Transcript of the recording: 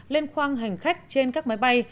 lên khoang hành khách trên các máy bay